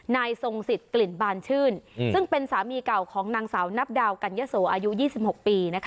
นายทรงสิทธิ์กลิ่นบานชื่นซึ่งเป็นสามีเก่าของนางสาวนับดาวกัญญโสอายุ๒๖ปี